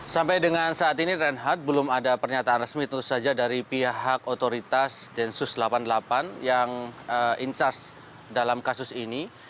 sampai dengan saat ini renhard belum ada pernyataan resmi tentu saja dari pihak otoritas densus delapan puluh delapan yang in charge dalam kasus ini